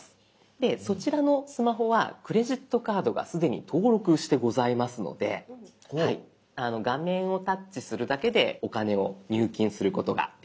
でそちらのスマホはクレジットカードが既に登録してございますので画面をタッチするだけでお金を入金することができます。